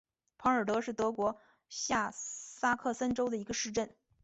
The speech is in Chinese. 德尔彭是德国下萨克森州的一个市镇。